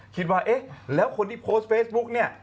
คิดว่าเอ๊ะแล้วคนที่โพสต์เฟซบุ๊กเนี่ย